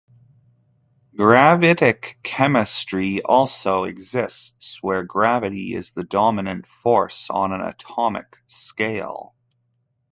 "Gravitic chemistry" also exists, where gravity is the dominant force on an atomic scale.